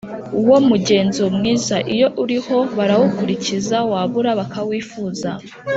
wo mugenzo mwiza, iyo uriho barawukurikiza, wabura bakawifuza,